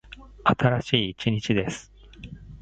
新しい一日です。